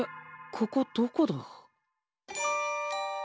ここどこだ？